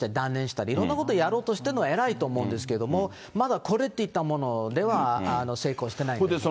写真家になろうとして断念したり、いろんなことやろうとしてるのは偉いと思うんですけれども、まだこれっていったものでは成功してないです。